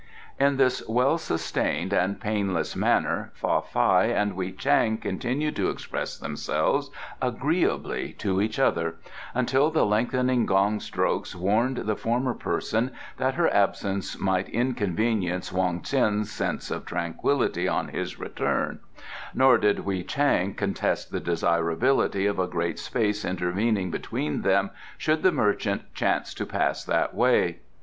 In this well sustained and painless manner Fa Fai and Wei Chang continued to express themselves agreeably to each other, until the lengthening gong strokes warned the former person that her absence might inconvenience Wong Ts'in's sense of tranquillity on his return, nor did Wei Chang contest the desirability of a great space intervening between them should the merchant chance to pass that way.